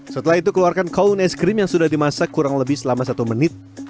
setelah itu keluarkan kaun es krim yang sudah dimasak kurang lebih selama satu menit